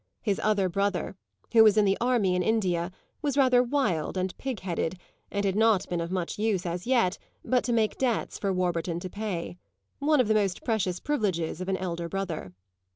His other brother, who was in the army in India, was rather wild and pig headed and had not been of much use as yet but to make debts for Warburton to pay one of the most precious privileges of an elder brother.